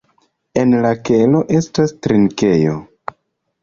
En la kelo estas trinkejo.